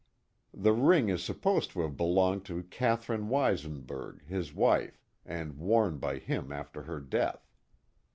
The ring is supposed to have belonged to Catherine Weisenburg, his wife, and worn by him after her death.